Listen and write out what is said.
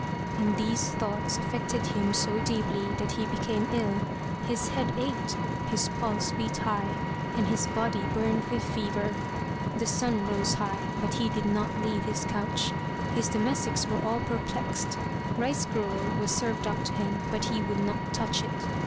And these thoughts affected him so deeply that he became ill, his head ached, his pulse beat high, and his body burned with fever. The sun rose high, but he did not leave his couch. His domestics were all perplexed. Rice gruel was served up to him, but he would not touch it.